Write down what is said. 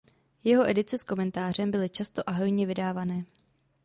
Jeho edice s komentářem byly často a hojně vydávané.